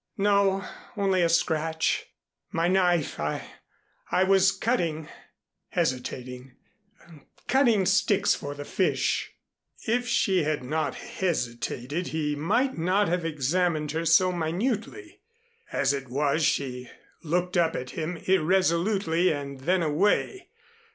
"No only a scratch. My knife I I was cutting" hesitating "cutting sticks for the fish." If she had not hesitated, he might not have examined her so minutely. As it was she looked up at him irresolutely and then away.